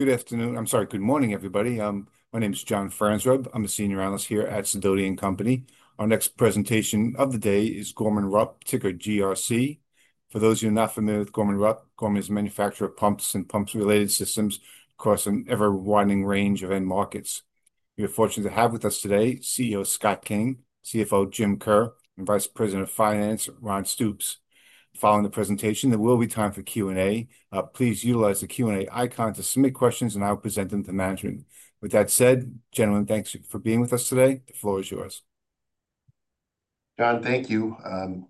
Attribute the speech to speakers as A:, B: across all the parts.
A: Good afternoon. I'm sorry. Good morning, everybody. My name is John Franzreb. I'm a senior analyst here at Sidoti & Company. Our next presentation of the day is Gorman-Rupp, ticker GRC. For those of you not familiar with Gorman-Rupp, Gorman is a manufacturer of pumps and pump-related systems across an ever-widening range of end markets. We are fortunate to have with us today CEO Scott King, CFO Jim Kerr, and Vice President of Finance Ron Stoops. Following the presentation, there will be time for Q&A. Please utilize the Q&A icon to submit questions, and I'll present them to management. With that said, gentlemen, thanks for being with us today. The floor is yours.
B: John, thank you.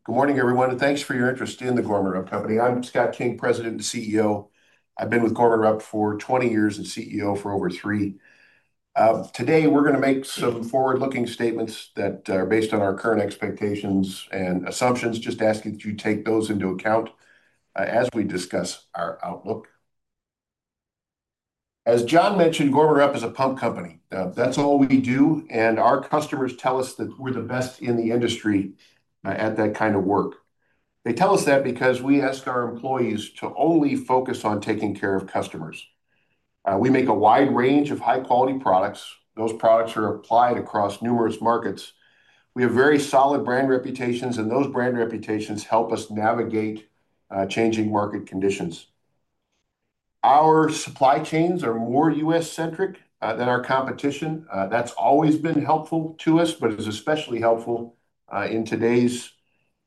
B: Good morning, everyone, and thanks for your interest in the Gorman-Rupp Company. I'm Scott King, President and CEO. I've been with Gorman-Rupp for 20 years and CEO for over three. Today, we're going to make some forward-looking statements that are based on our current expectations and assumptions, just asking that you take those into account as we discuss our outlook. As John mentioned, Gorman-Rupp is a pump company. That's all we do, and our customers tell us that we're the best in the industry at that kind of work. They tell us that because we ask our employees to only focus on taking care of customers. We make a wide range of high-quality products. Those products are applied across numerous markets. We have very solid brand reputations, and those brand reputations help us navigate changing market conditions. Our supply chains are more U.S.-centric than our competition. That's always been helpful to us, but it's especially helpful in today's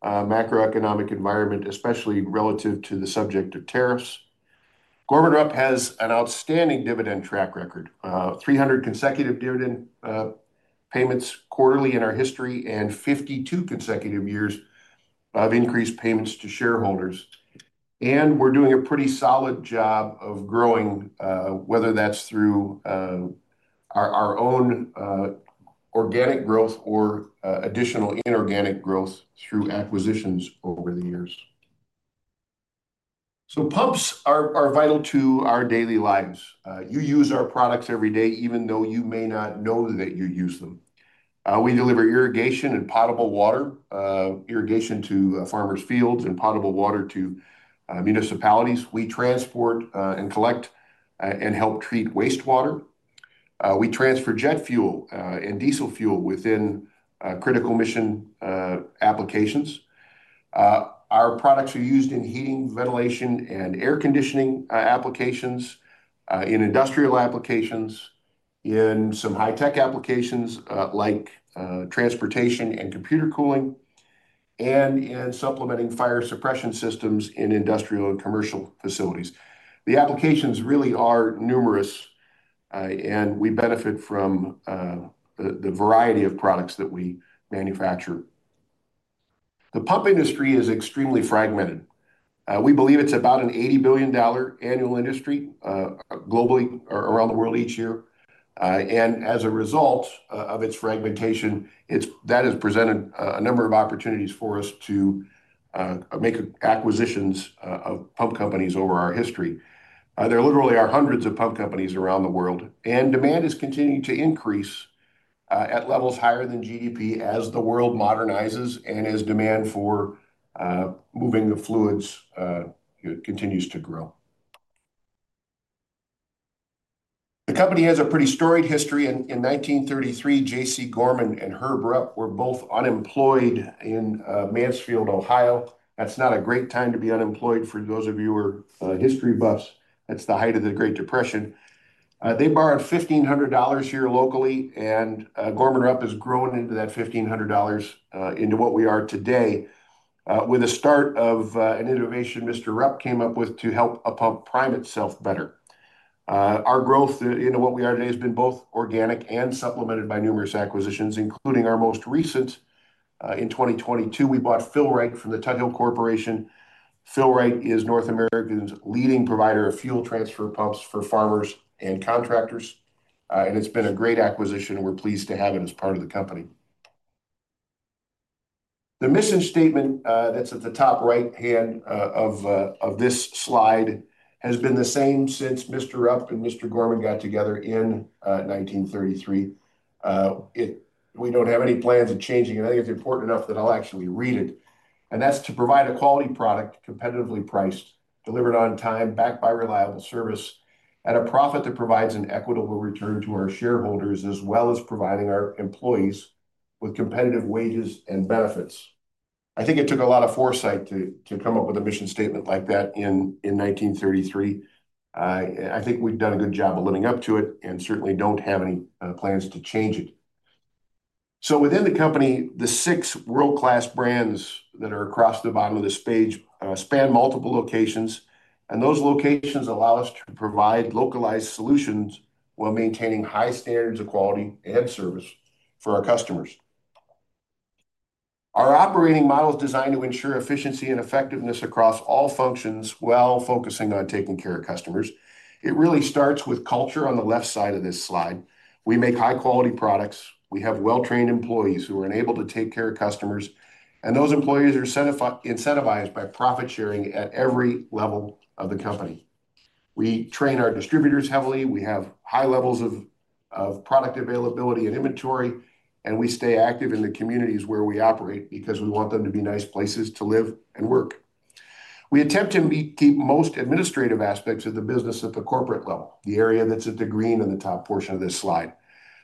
B: macroeconomic environment, especially relative to the subject of tariffs. Gorman-Rupp has an outstanding dividend track record: 300 consecutive dividend payments quarterly in our history and 52 consecutive years of increased payments to shareholders. We're doing a pretty solid job of growing, whether that's through our own organic growth or additional inorganic growth through acquisitions over the years. Pumps are vital to our daily lives. You use our products every day, even though you may not know that you use them. We deliver irrigation and potable water, irrigation to farmers' fields and potable water to municipalities. We transport and collect and help treat wastewater. We transfer jet fuel and diesel fuel within critical mission applications. Our products are used in heating, ventilation, and air conditioning applications, in industrial applications, in some high-tech applications like transportation and computer cooling, and in supplementing fire suppression systems in industrial and commercial facilities. The applications really are numerous, and we benefit from the variety of products that we manufacture. The pump industry is extremely fragmented. We believe it's about an $80 billion annual industry globally or around the world each year. As a result of its fragmentation, that has presented a number of opportunities for us to make acquisitions of pump companies over our history. There literally are hundreds of pump companies around the world, and demand is continuing to increase at levels higher than GDP as the world modernizes and as demand for moving the fluids continues to grow. The company has a pretty storied history. In 1933, J.C. Gorman and Herb Rupp were both unemployed in Mansfield, Ohio. That's not a great time to be unemployed for those of you who are history buffs. That's the height of the Great Depression. They borrowed $1,500 here locally, and Gorman-Rupp has grown that $1,500 into what we are today with a start of an innovation Mr. Rupp came up with to help a pump prime itself better. Our growth into what we are today has been both organic and supplemented by numerous acquisitions, including our most recent. In 2022, we bought Fill-Rite from the Tuthill Corporation. Fill-Rite is North America's leading provider of fuel transfer pumps for farmers and contractors, and it's been a great acquisition. We're pleased to have it as part of the company. The mission statement that's at the top right hand of this slide has been the same since Mr. Rupp and Mr. Gorman got together in 1933. We do not have any plans of changing it. I think it is important enough that I will actually read it. And that is to provide a quality product, competitively priced, delivered on time, backed by reliable service, and a profit that provides an equitable return to our shareholders as well as providing our employees with competitive wages and benefits. I think it took a lot of foresight to come up with a mission statement like that in 1933. I think we have done a good job of living up to it and certainly do not have any plans to change it. Within the company, the six world-class brands that are across the bottom of this page span multiple locations, and those locations allow us to provide localized solutions while maintaining high standards of quality and service for our customers. Our operating model is designed to ensure efficiency and effectiveness across all functions while focusing on taking care of customers. It really starts with culture on the left side of this slide. We make high-quality products. We have well-trained employees who are able to take care of customers, and those employees are incentivized by profit sharing at every level of the company. We train our distributors heavily. We have high levels of product availability and inventory, and we stay active in the communities where we operate because we want them to be nice places to live and work. We attempt to keep most administrative aspects of the business at the corporate level, the area that's at the green in the top portion of this slide.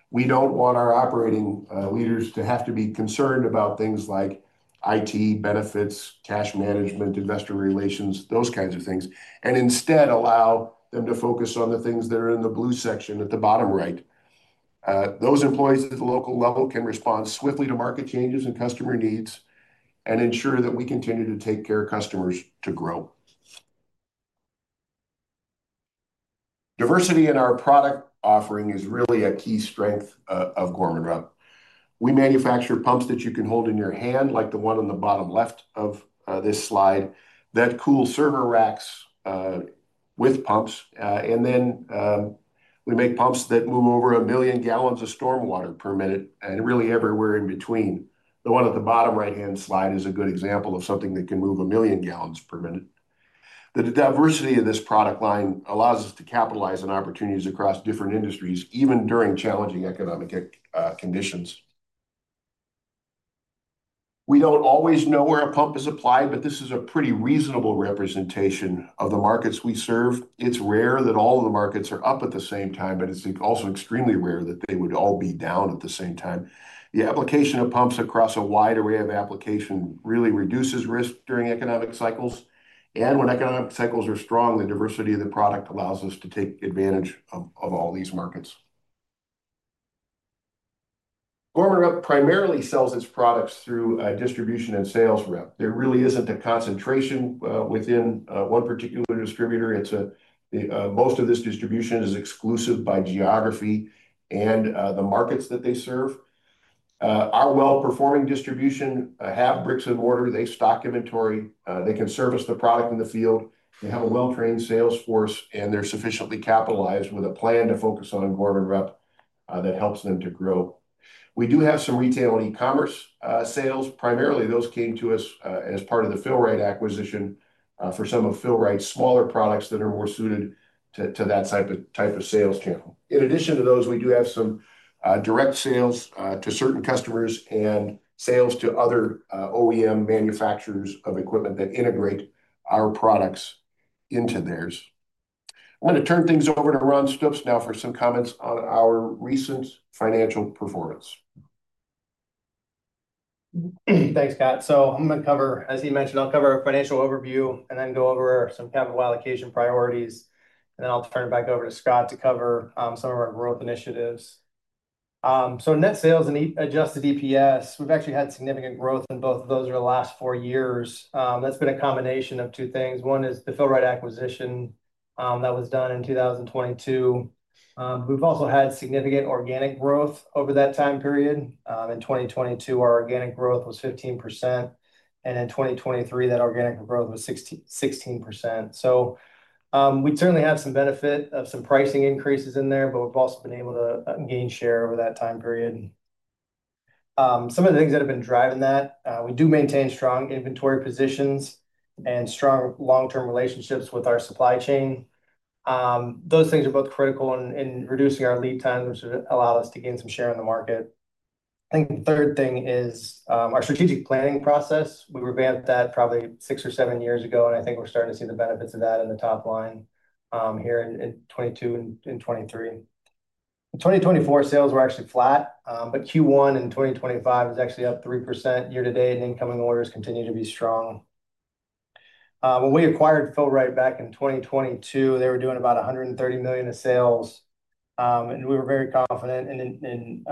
B: We do not want our operating leaders to have to be concerned about things like IT benefits, cash management, investor relations, those kinds of things, and instead allow them to focus on the things that are in the blue section at the bottom right. Those employees at the local level can respond swiftly to market changes and customer needs and ensure that we continue to take care of customers to grow. Diversity in our product offering is really a key strength of Gorman-Rupp. We manufacture pumps that you can hold in your hand, like the one on the bottom left of this slide, that cool server racks with pumps. Then we make pumps that move over a million gallons of storm water per minute and really everywhere in between. The one at the bottom right-hand slide is a good example of something that can move a million gallons per minute. The diversity of this product line allows us to capitalize on opportunities across different industries, even during challenging economic conditions. We don't always know where a pump is applied, but this is a pretty reasonable representation of the markets we serve. It's rare that all of the markets are up at the same time, but it's also extremely rare that they would all be down at the same time. The application of pumps across a wide array of applications really reduces risk during economic cycles. When economic cycles are strong, the diversity of the product allows us to take advantage of all these markets. Gorman-Rupp primarily sells its products through distribution and sales rep. There really isn't a concentration within one particular distributor. Most of this distribution is exclusive by geography and the markets that they serve. Our well-performing distribution has bricks and mortar. They stock inventory. They can service the product in the field. They have a well-trained sales force, and they're sufficiently capitalized with a plan to focus on Gorman-Rupp that helps them to grow. We do have some retail and e-commerce sales. Primarily, those came to us as part of the Fill-Rite acquisition for some of Fill-Rite's smaller products that are more suited to that type of sales channel. In addition to those, we do have some direct sales to certain customers and sales to other OEM manufacturers of equipment that integrate our products into theirs. I'm going to turn things over to Ron Stoops now for some comments on our recent financial performance.
C: Thanks, Scott. I'm going to cover, as he mentioned, I'll cover a financial overview and then go over some capital allocation priorities, and then I'll turn it back over to Scott to cover some of our growth initiatives. Net sales and adjusted EPS, we've actually had significant growth in both of those over the last four years. That's been a combination of two things. One is the Fill-Rite acquisition that was done in 2022. We've also had significant organic growth over that time period. In 2022, our organic growth was 15%, and in 2023, that organic growth was 16%. We certainly have some benefit of some pricing increases in there, but we've also been able to gain share over that time period. Some of the things that have been driving that, we do maintain strong inventory positions and strong long-term relationships with our supply chain. Those things are both critical in reducing our lead time, which allowed us to gain some share in the market. I think the third thing is our strategic planning process. We revamped that probably six or seven years ago, and I think we're starting to see the benefits of that in the top line here in 2022 and 2023. In 2024, sales were actually flat, but Q1 in 2025 is actually up 3% year to date, and incoming orders continue to be strong. When we acquired Fill-Rite back in 2022, they were doing about $130 million in sales, and we were very confident in,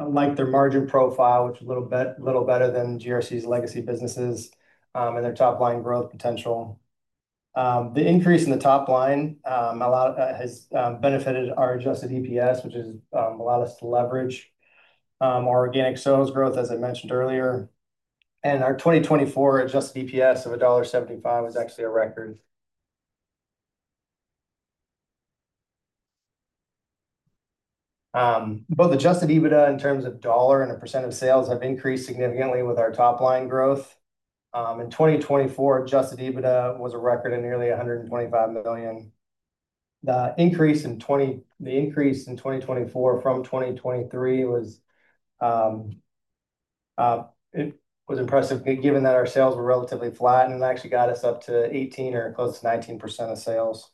C: like, their margin profile, which is a little better than GRC's legacy businesses and their top-line growth potential. The increase in the top line has benefited our adjusted EPS, which has allowed us to leverage our organic sales growth, as I mentioned earlier. Our 2024 adjusted EPS of $1.75 was actually a record. Both adjusted EBITDA in terms of dollar and a percent of sales have increased significantly with our top-line growth. In 2024, adjusted EBITDA was a record at nearly $125 million. The increase in 2024 from 2023 was impressive, given that our sales were relatively flat, and it actually got us up to 18% or close to 19% of sales.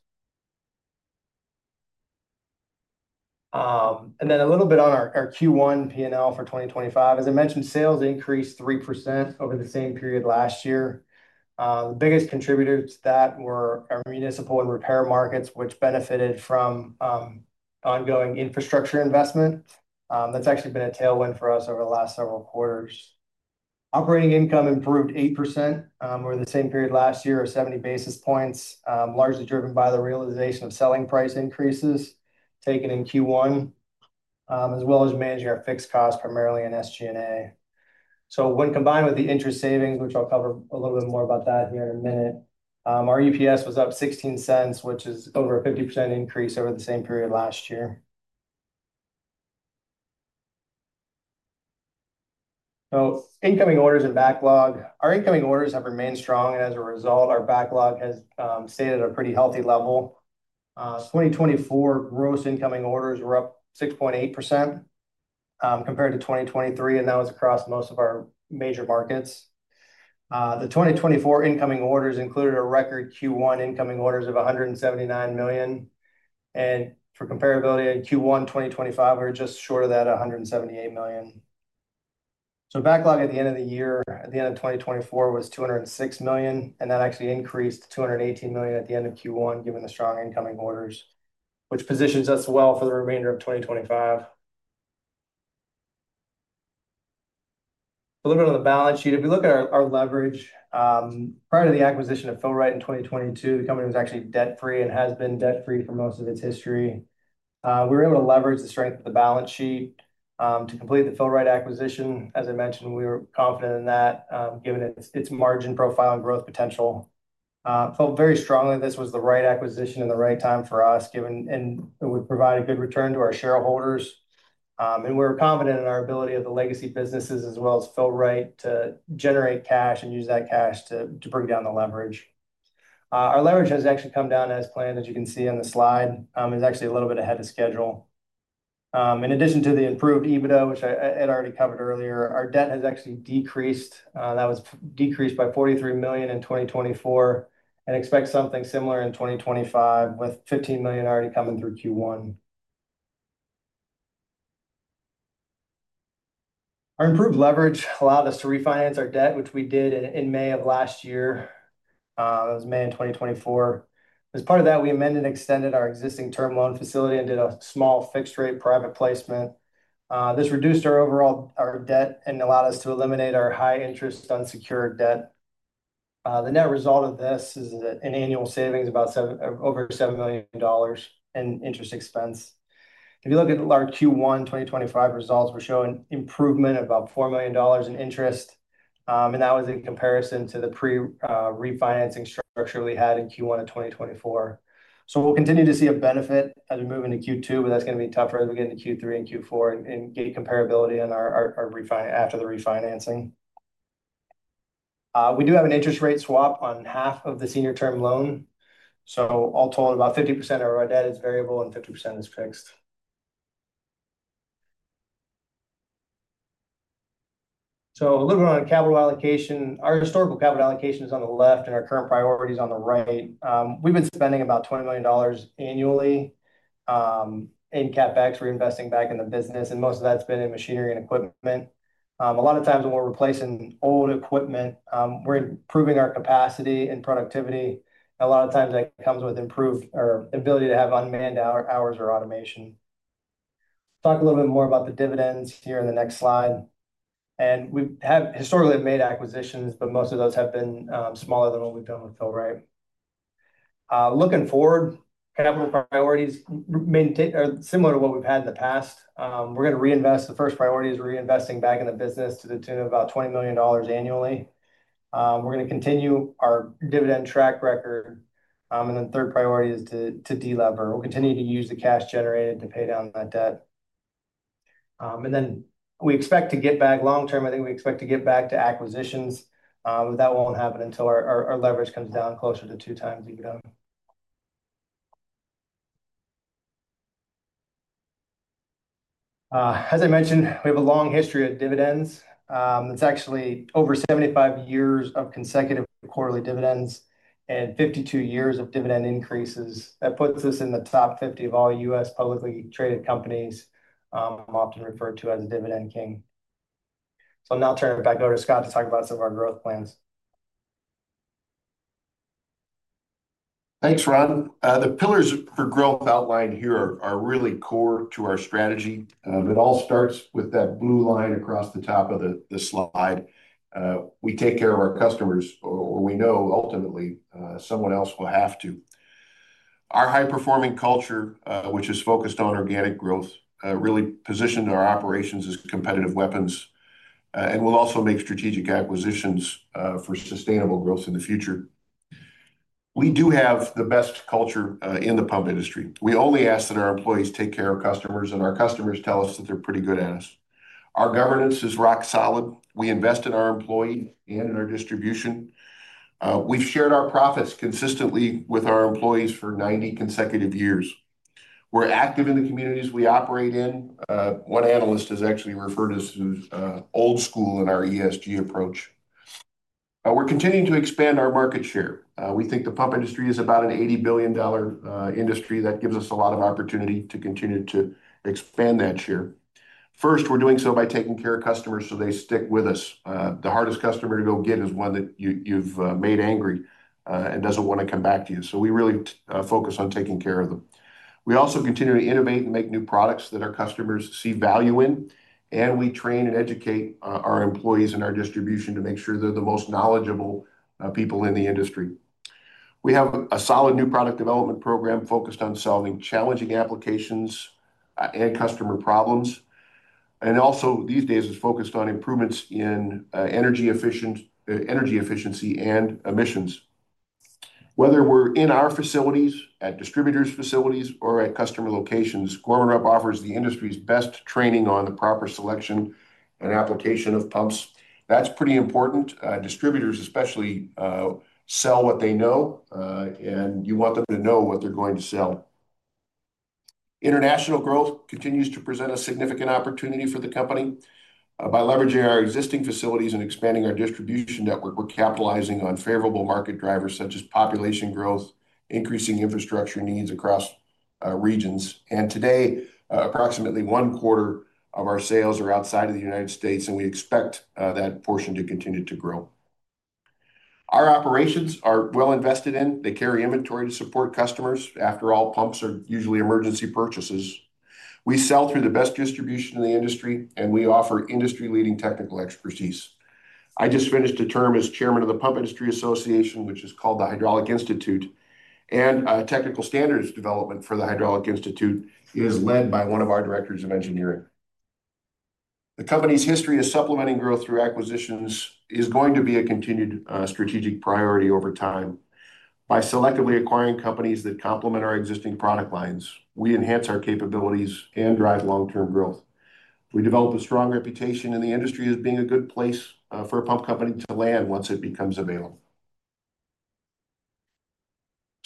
C: A little bit on our Q1 P&L for 2025. As I mentioned, sales increased 3% over the same period last year. The biggest contributors to that were our municipal and repair markets, which benefited from ongoing infrastructure investment. That has actually been a tailwind for us over the last several quarters. Operating income improved 8% over the same period last year of 70 basis points, largely driven by the realization of selling price increases taken in Q1, as well as managing our fixed costs, primarily in SG&A. When combined with the interest savings, which I'll cover a little bit more about that here in a minute, our EPS was up $0.16, which is over a 50% increase over the same period last year. Incoming orders and backlog. Our incoming orders have remained strong, and as a result, our backlog has stayed at a pretty healthy level. 2024 gross incoming orders were up 6.8% compared to 2023, and that was across most of our major markets. The 2024 incoming orders included a record Q1 incoming orders of $179 million. For comparability, in Q1 2025, we were just short of that $178 million. Backlog at the end of the year, at the end of 2024, was $206 million, and that actually increased to $218 million at the end of Q1, given the strong incoming orders, which positions us well for the remainder of 2025. A little bit on the balance sheet. If we look at our leverage, prior to the acquisition of Fill-Rite in 2022, the company was actually debt-free and has been debt-free for most of its history. We were able to leverage the strength of the balance sheet to complete the Fill-Rite acquisition. As I mentioned, we were confident in that, given its margin profile and growth potential. I felt very strongly this was the right acquisition and the right time for us, given it would provide a good return to our shareholders. We were confident in our ability of the legacy businesses as well as Fill-Rite to generate cash and use that cash to bring down the leverage. Our leverage has actually come down as planned, as you can see on the slide. It's actually a little bit ahead of schedule. In addition to the improved EBITDA, which I had already covered earlier, our debt has actually decreased. That was decreased by $43 million in 2024 and expects something similar in 2025 with $15 million already coming through Q1. Our improved leverage allowed us to refinance our debt, which we did in May of last year. That was May in 2024. As part of that, we amended and extended our existing term loan facility and did a small fixed-rate private placement. This reduced our overall debt and allowed us to eliminate our high-interest unsecured debt. The net result of this is an annual savings of over $7 million in interest expense. If you look at our Q1 2025 results, we're showing improvement of about $4 million in interest, and that was in comparison to the pre-refinancing structure we had in Q1 of 2024. We will continue to see a benefit as we move into Q2, but that's going to be tougher as we get into Q3 and Q4 and get comparability after the refinancing. We do have an interest rate swap on half of the senior term loan. All told, about 50% of our debt is variable and 50% is fixed. A little bit on capital allocation. Our historical capital allocation is on the left and our current priorities on the right. We've been spending about $20 million annually in CapEx. We're investing back in the business, and most of that's been in machinery and equipment. A lot of times when we're replacing old equipment, we're improving our capacity and productivity. A lot of times that comes with improved ability to have unmanned hours or automation. Talk a little bit more about the dividends here in the next slide. We have historically made acquisitions, but most of those have been smaller than what we've done with Fill-Rite. Looking forward, capital priorities are similar to what we've had in the past. We're going to reinvest. The first priority is reinvesting back in the business to the tune of about $20 million annually. We're going to continue our dividend track record. The third priority is to delever. We'll continue to use the cash generated to pay down that debt. We expect to get back long-term. I think we expect to get back to acquisitions, but that will not happen until our leverage comes down closer to two times EBITDA. As I mentioned, we have a long history of dividends. It is actually over 75 years of consecutive quarterly dividends and 52 years of dividend increases. That puts us in the top 50 of all U.S. publicly traded companies, often referred to as the dividend king. I am now turning it back over to Scott to talk about some of our growth plans.
B: Thanks, Ron. The pillars for growth outlined here are really core to our strategy. It all starts with that blue line across the top of the slide. We take care of our customers, or we know ultimately someone else will have to. Our high-performing culture, which is focused on organic growth, really positioned our operations as competitive weapons, and will also make strategic acquisitions for sustainable growth in the future. We do have the best culture in the pump industry. We only ask that our employees take care of customers, and our customers tell us that they're pretty good at it. Our governance is rock solid. We invest in our employees and in our distribution. We've shared our profits consistently with our employees for 90 consecutive years. We're active in the communities we operate in. One analyst has actually referred to us as old school in our ESG approach. We're continuing to expand our market share. We think the pump industry is about an $80 billion industry that gives us a lot of opportunity to continue to expand that share. First, we're doing so by taking care of customers so they stick with us. The hardest customer to go get is one that you've made angry and doesn't want to come back to you. We really focus on taking care of them. We also continue to innovate and make new products that our customers see value in, and we train and educate our employees in our distribution to make sure they're the most knowledgeable people in the industry. We have a solid new product development program focused on solving challenging applications and customer problems. These days, it's focused on improvements in energy efficiency and emissions. Whether we're in our facilities, at distributors' facilities, or at customer locations, Gorman-Rupp offers the industry's best training on the proper selection and application of pumps. That's pretty important. Distributors, especially, sell what they know, and you want them to know what they're going to sell. International growth continues to present a significant opportunity for the company. By leveraging our existing facilities and expanding our distribution network, we're capitalizing on favorable market drivers such as population growth, increasing infrastructure needs across regions. Today, approximately one quarter of our sales are outside of the United States, and we expect that portion to continue to grow. Our operations are well invested in. They carry inventory to support customers. After all, pumps are usually emergency purchases. We sell through the best distribution in the industry, and we offer industry-leading technical expertise. I just finished a term as chairman of the Hydraulic Institute, and technical standards development for the Hydraulic Institute is led by one of our directors of engineering. The company's history of supplementing growth through acquisitions is going to be a continued strategic priority over time. By selectively acquiring companies that complement our existing product lines, we enhance our capabilities and drive long-term growth. We develop a strong reputation in the industry as being a good place for a pump company to land once it becomes available.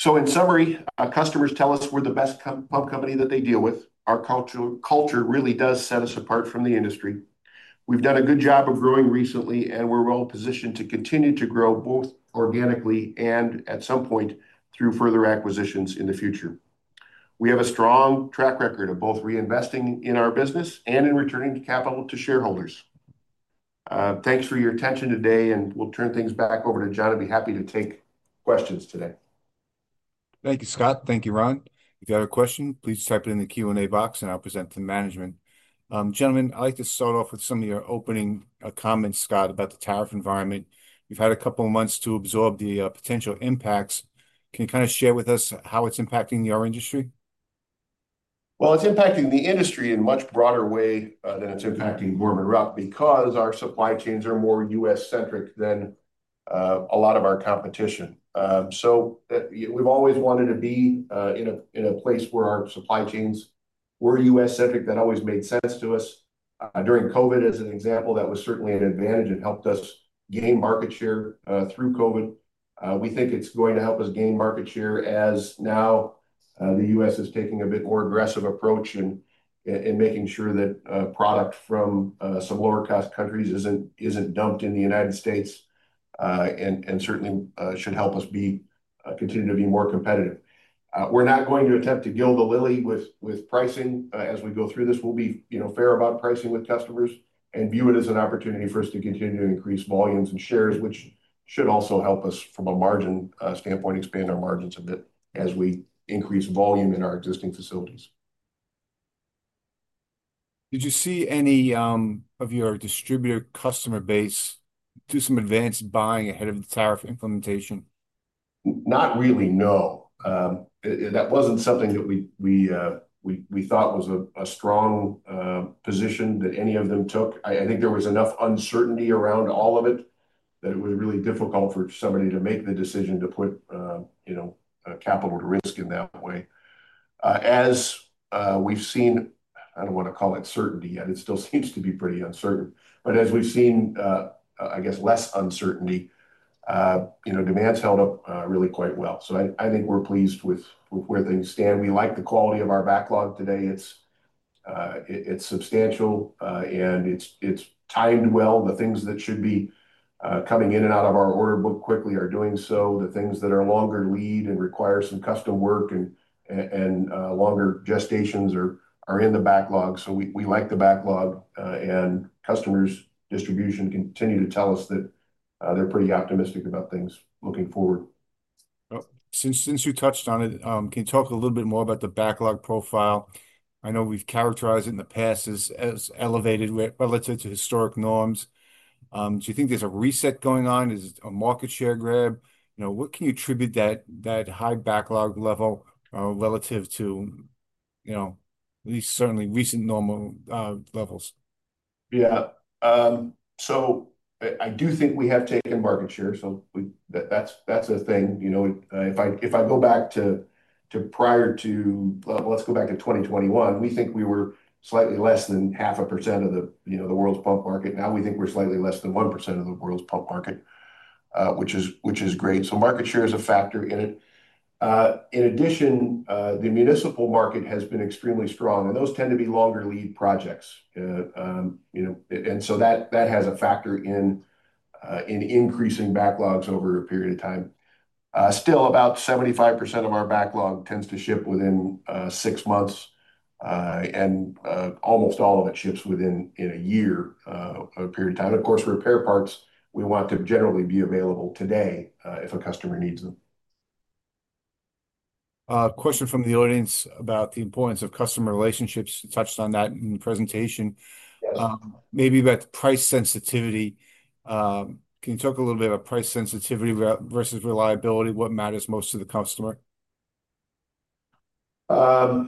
B: In summary, customers tell us we're the best pump company that they deal with. Our culture really does set us apart from the industry. We've done a good job of growing recently, and we're well positioned to continue to grow both organically and at some point through further acquisitions in the future. We have a strong track record of both reinvesting in our business and in returning capital to shareholders. Thanks for your attention today, and we will turn things back over to John. I would be happy to take questions today.
A: Thank you, Scott. Thank you, Ron. If you have a question, please type it in the Q&A box, and I'll present to management. Gentlemen, I'd like to start off with some of your opening comments, Scott, about the tariff environment. We've had a couple of months to absorb the potential impacts. Can you kind of share with us how it's impacting your industry?
B: It is impacting the industry in a much broader way than it is impacting Gorman-Rupp because our supply chains are more U.S.-centric than a lot of our competition. We have always wanted to be in a place where our supply chains were U.S.-centric. That always made sense to us. During COVID, as an example, that was certainly an advantage. It helped us gain market share through COVID. We think it is going to help us gain market share as now the U.S. is taking a bit more aggressive approach in making sure that product from some lower-cost countries is not dumped in the United States and certainly should help us continue to be more competitive. We are not going to attempt to gild the lily with pricing as we go through this. We'll be fair about pricing with customers and view it as an opportunity for us to continue to increase volumes and shares, which should also help us from a margin standpoint, expand our margins a bit as we increase volume in our existing facilities.
A: Did you see any of your distributor customer base do some advanced buying ahead of the tariff implementation? Not really, no. That was not something that we thought was a strong position that any of them took. I think there was enough uncertainty around all of it that it was really difficult for somebody to make the decision to put capital to risk in that way. As we have seen, I do not want to call it certainty yet. It still seems to be pretty uncertain. As we have seen, I guess, less uncertainty, demand's held up really quite well. I think we are pleased with where things stand. We like the quality of our backlog today. It is substantial, and it is timed well. The things that should be coming in and out of our order book quickly are doing so. The things that are longer lead and require some custom work and longer gestations are in the backlog. We like the backlog, and customers' distribution continue to tell us that they're pretty optimistic about things looking forward. Since you touched on it, can you talk a little bit more about the backlog profile? I know we've characterized it in the past as elevated relative to historic norms. Do you think there's a reset going on? Is it a market share grab? What can you attribute that high backlog level relative to at least certainly recent normal levels?
B: Yeah. I do think we have taken market share. That is a thing. If I go back to prior to, let us go back to 2021, we think we were slightly less than 0.5% of the world's pump market. Now we think we are slightly less than 1% of the world's pump market, which is great. Market share is a factor in it. In addition, the municipal market has been extremely strong, and those tend to be longer lead projects. That has a factor in increasing backlogs over a period of time. Still, about 75% of our backlog tends to ship within six months, and almost all of it ships within a year of a period of time. Of course, repair parts, we want to generally be available today if a customer needs them.
A: Question from the audience about the importance of customer relationships. You touched on that in the presentation. Maybe about price sensitivity. Can you talk a little bit about price sensitivity versus reliability? What matters most to the customer?
B: There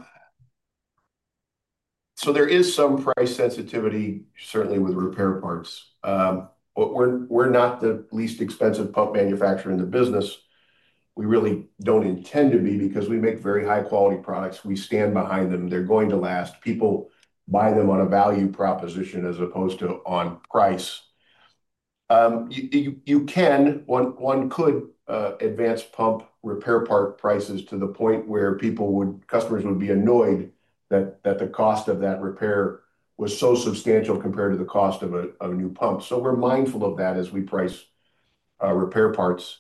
B: is some price sensitivity, certainly with repair parts. We're not the least expensive pump manufacturer in the business. We really don't intend to be because we make very high-quality products. We stand behind them. They're going to last. People buy them on a value proposition as opposed to on price. You can, one could advance pump repair part prices to the point where customers would be annoyed that the cost of that repair was so substantial compared to the cost of a new pump. We're mindful of that as we price repair parts.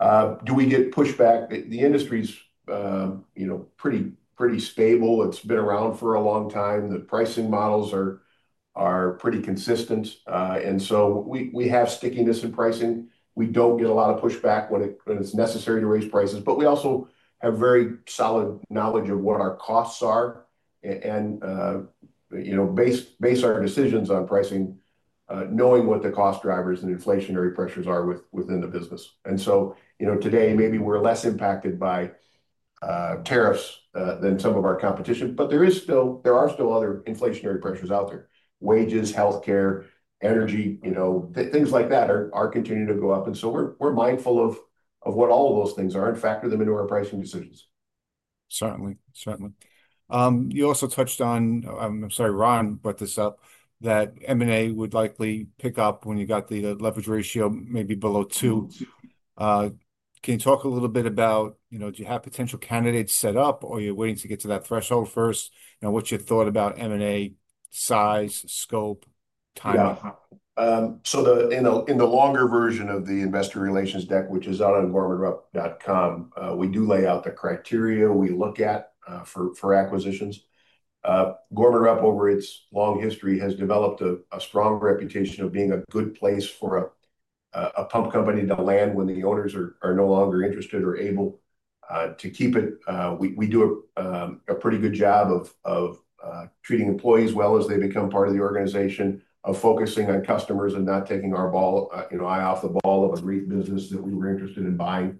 B: Do we get pushback? The industry's pretty stable. It's been around for a long time. The pricing models are pretty consistent. We have stickiness in pricing. We don't get a lot of pushback when it's necessary to raise prices. We also have very solid knowledge of what our costs are and base our decisions on pricing, knowing what the cost drivers and inflationary pressures are within the business. Today, maybe we're less impacted by tariffs than some of our competition. There are still other inflationary pressures out there. Wages, healthcare, energy, things like that are continuing to go up. We're mindful of what all of those things are and factor them into our pricing decisions.
A: Certainly. Certainly. You also touched on, I'm sorry, Ron brought this up, that M&A would likely pick up when you got the leverage ratio maybe below two. Can you talk a little bit about, do you have potential candidates set up or you're waiting to get to that threshold first? What's your thought about M&A size, scope, timeout?
B: Yeah. In the longer version of the investor relations deck, which is on at gormanrupp.com, we do lay out the criteria we look at for acquisitions. Gorman-Rupp, over its long history, has developed a strong reputation of being a good place for a pump company to land when the owners are no longer interested or able to keep it. We do a pretty good job of treating employees well as they become part of the organization, of focusing on customers and not taking our eye off the ball of a great business that we were interested in buying.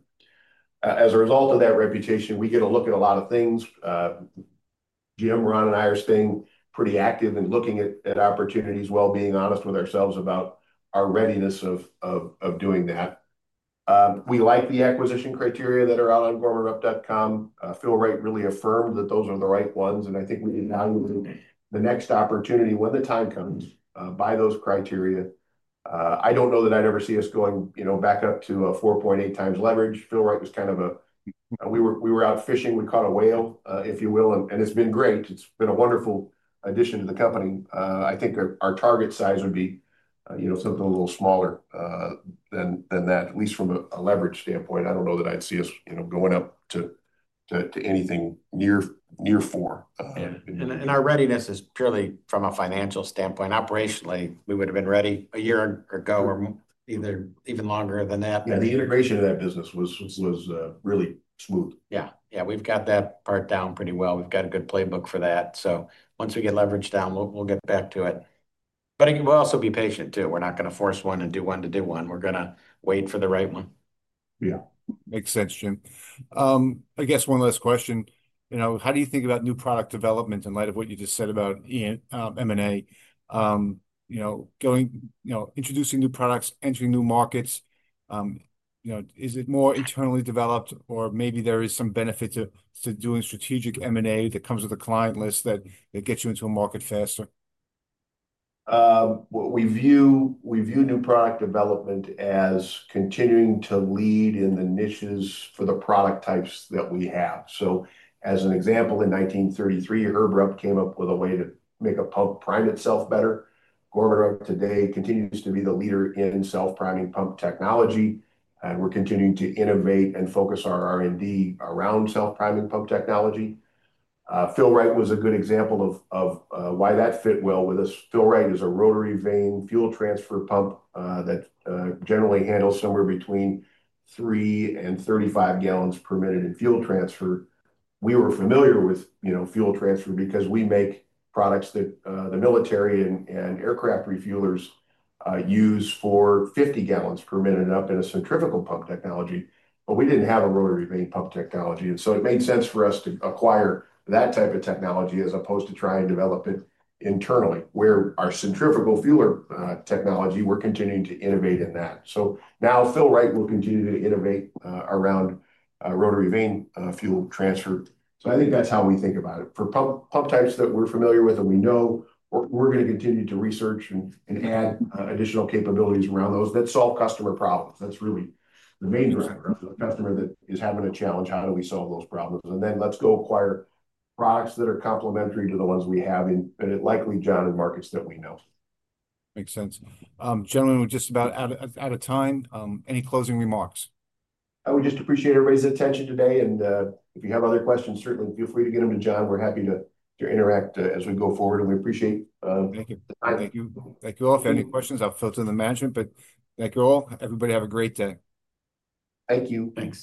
B: As a result of that reputation, we get a look at a lot of things. Jim, Ron, and I are staying pretty active in looking at opportunities, while being honest with ourselves about our readiness of doing that. We like the acquisition criteria that are out on gormanrupp.com. Phil Wright really affirmed that those are the right ones. I think we can value the next opportunity when the time comes, by those criteria. I do not know that I'd ever see us going back up to a 4.8 times leverage. Phil Wright was kind of a, we were out fishing. We caught a whale, if you will. It has been great. It has been a wonderful addition to the company. I think our target size would be something a little smaller than that, at least from a leverage standpoint. I do not know that I'd see us going up to anything near four.
A: Our readiness is purely from a financial standpoint. Operationally, we would have been ready a year ago or even longer than that.
B: Yeah. The integration of that business was really smooth.
A: Yeah. Yeah. We've got that part down pretty well. We've got a good playbook for that. Once we get leverage down, we'll get back to it. We'll also be patient, too. We're not going to force one and do one to do one. We're going to wait for the right one.
B: Yeah.
A: Makes sense, Jim. I guess one last question. How do you think about new product development in light of what you just said about M&A? Introducing new products, entering new markets, is it more internally developed, or maybe there is some benefit to doing strategic M&A that comes with a client list that gets you into a market faster?
B: We view new product development as continuing to lead in the niches for the product types that we have. As an example, in 1933, Herb Rupp came up with a way to make a pump prime itself better. Gorman-Rupp today continues to be the leader in self-priming pump technology. We are continuing to innovate and focus our R&D around self-priming pump technology. Fill-Rite was a good example of why that fit well with us. Fill-Rite is a rotary vane fuel transfer pump that generally handles somewhere between three and 35 gallons per minute in fuel transfer. We were familiar with fuel transfer because we make products that the military and aircraft refuelers use for 50 gallons per minute up in a centrifugal pump technology. We did not have a rotary vane pump technology. It made sense for us to acquire that type of technology as opposed to try and develop it internally, where our centrifugal fueler technology, we're continuing to innovate in that. Phil-Rite will continue to innovate around rotary vane fuel transfer. I think that's how we think about it. For pump types that we're familiar with and we know, we're going to continue to research and add additional capabilities around those that solve customer problems. That's really the main driver. If a customer is having a challenge, how do we solve those problems? Then let's go acquire products that are complementary to the ones we have in likely known markets that we know.
A: Makes sense. Gentlemen, we're just about out of time. Any closing remarks?
B: I would just appreciate everybody's attention today. If you have other questions, certainly feel free to get them to John. We're happy to interact as we go forward. We appreciate the time.
A: Thank you. Thank you all. If you have any questions, I'll filter to management. Thank you all. Everybody have a great day.
B: Thank you.
A: Thanks.